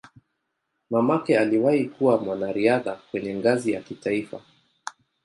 Mamake aliwahi kuwa mwanariadha kwenye ngazi ya kitaifa.